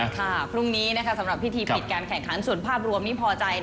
พรุ่งนี้สำหรับพิธีปิดการแข่งขันส่วนภาพรวมนี้พอใจ